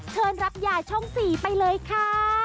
เชิญรับยาช่อง๔ไปเลยค่ะ